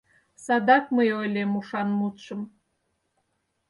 Садак мый ойлем ушан мутшым